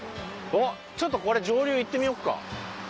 おっちょっとこれ上流行ってみよっか。